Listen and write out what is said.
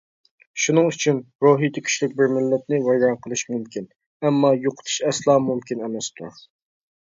شۇنىڭ ئۈچۈن، روھىيىتى كۈچلۈك بىر مىللەتنى ۋەيران قىلىش مۇمكىن، ئەمما يوقىتىش ئەسلا مۇمكىن ئەمەستۇر.